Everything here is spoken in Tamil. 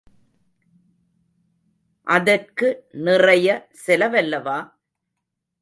அதற்கு நிறைய செலவல்லவா?